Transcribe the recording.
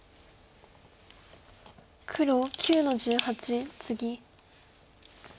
黒９の十八ツギ。